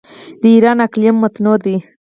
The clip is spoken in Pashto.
د ایران اقلیم متنوع دی.